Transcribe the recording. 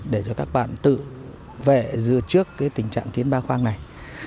để cho các bạn tự vệ dựa trước tình trạng kiến ba khoan này